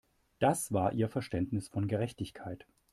Das war ihr Verständnis von Gerechtigkeit.